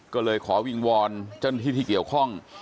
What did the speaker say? ก็เลยขอวิงวอนเจ้าหน้าที่ที่เกี่ยวข้อง